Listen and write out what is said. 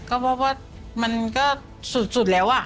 ก็เพราะว่ามันก็สุดแล้วอะ